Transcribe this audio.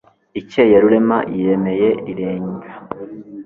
ikeye Rurema yiremeye rirenga